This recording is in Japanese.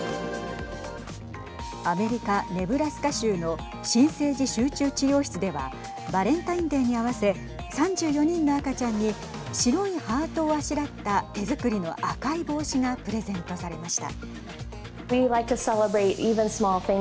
アメリカ、ネブラスカ州の新生児集中治療室ではバレンタインデーに合わせ３４人の赤ちゃんに白いハートをあしらった手作りの赤い帽子がプレゼントされました。